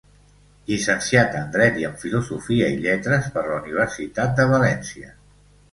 Llicenciat en dret i en filosofia i Lletres per la Universitat de València.